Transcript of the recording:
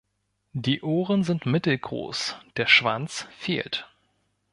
Die Ohren sind mittelgroß, der Schwanz fehlt.